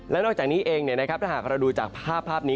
และนอกจากนี้เองถ้าหากเราดูจากภาพนี้